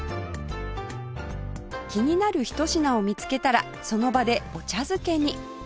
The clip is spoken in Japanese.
気になるひと品を見つけたらその場でお茶漬けに